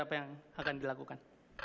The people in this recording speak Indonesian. apa yang akan dilakukan